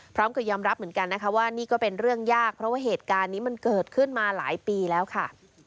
พร้อมกับยอมรับเหมือนกันนะคะว่านี่ก็เป็นเรื่องยากเพราะว่าเหตุการณ์นี้มันเกิดขึ้นมาหลายปีแล้วค่ะ